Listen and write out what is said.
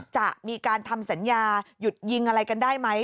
จะมีการทำสัญญาหยุดยิงอะไรกันได้ไหม